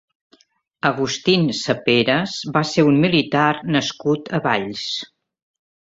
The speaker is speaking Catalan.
Agustín Saperes va ser un militar nascut a Valls.